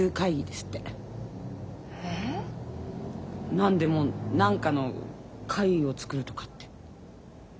なんでも何かの会を作るとかって。